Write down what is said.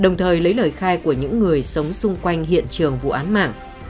đồng thời lấy lời khai của những người sống xung quanh hiện trường vụ án mạng